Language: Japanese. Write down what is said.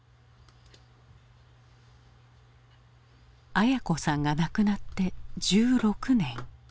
文子さんが亡くなって１６年。